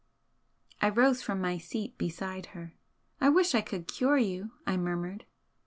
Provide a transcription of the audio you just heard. I rose from my seat beside her. "I wish I could cure you!" I murmured.